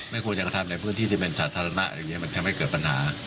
ไม่ควรยังจะทำในพื้นที่ที่เป็นสาธารณะมันทำให้เกิดปัญหา